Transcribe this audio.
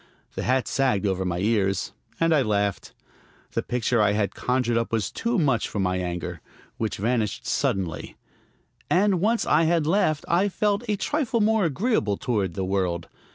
The hat sagged over my ears; and I laughed. The picture I had conjured up was too much for my anger, which vanished suddenly. And once I had laughed I felt a trifle more agreeable toward the world.